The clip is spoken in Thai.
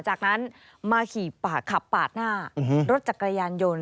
จากนั้นมาขี่ขับปาดหน้ารถจักรยานยนต์